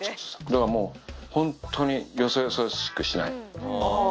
だからもう、本当によそよそしくしない。